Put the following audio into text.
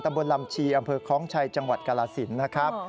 ตำบลรำชีอำเภอค้องชัยจังหวัดกราศิลป์นะครับ